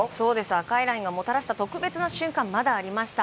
赤いラインがもたらした特別な瞬間まだありました。